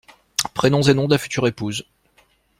Prénoms et nom de la future épouse.